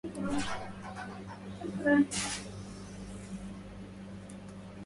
متأكد بأن توم سيخبرنا بالحقيقة.